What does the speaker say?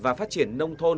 và phát triển nông thôn